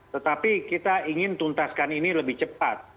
tetapi kita ingin tuntaskan ini lebih cepat